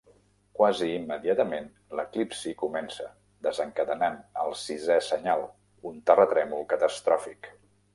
Quasi immediatament, l'eclipsi comença, desencadenant el sisè senyal, un terratrèmol catastròfic.